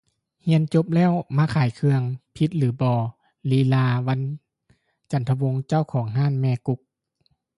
ຮຽນຈົບແລ້ວ ມາຂາຍເຄື່ອງ ຜິດຫຼືບໍ່ ລີລາວັນ ຈັນທະວົງ ເຈົ້າຂອງຮ້ານແມ່ກຸກ